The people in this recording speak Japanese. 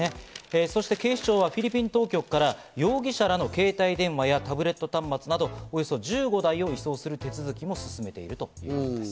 そして警視庁はフィリピン当局から容疑者らの携帯電話やタブレット端末など、およそ１５台を移送する手続きも進めているということです。